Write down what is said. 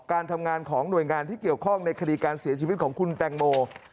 การทำงานของหน่วยงานที่เกี่ยวข้องในคดีการเสียชีวิตของคุณแตงโม